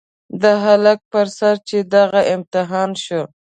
د هلک په سر چې دغه امتحان شو.